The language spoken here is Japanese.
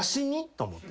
と思って。